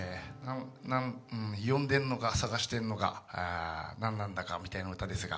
呼んでんのか、探してんのか、何なんだかという歌ですが、